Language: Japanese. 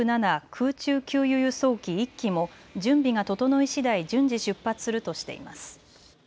空中給油・輸送機１機も準備が整いしだい順次、出発するとしています。